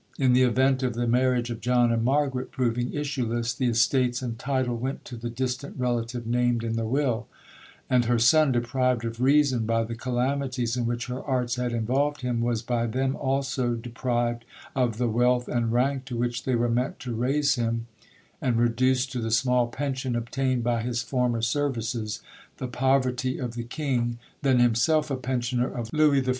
In the event of the marriage of John and Margaret proving issueless, the estates and title went to the distant relative named in the will; and her son, deprived of reason by the calamities in which her arts had involved him, was by them also deprived of the wealth and rank to which they were meant to raise him, and reduced to the small pension obtained by his former services,—the poverty of the King, then himself a pensioner of Lewis XIV.